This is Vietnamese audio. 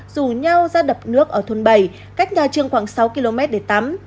rủ nhau ra đập nước ở thôn bảy cách nhà trường khoảng sáu km để tắm